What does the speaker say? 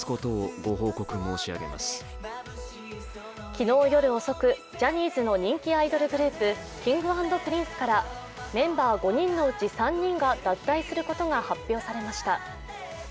昨日夜遅く、ジャニーズの人気アイドルグループ、Ｋｉｎｇ＆Ｐｒｉｎｃｅからメンバー５人のうち３人が脱退することが発表されました。